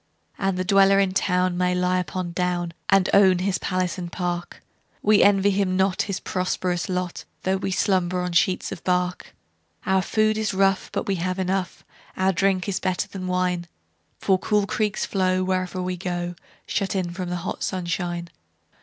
The dweller in town may lie upon down, And own his palace and park:We envy him not his prosperous lot, Though we slumber on sheets of bark. Our food is rough, but we have enough; Our drink is better than wine:For cool creeks flow wherever we go, Shut in from the hot sunshine.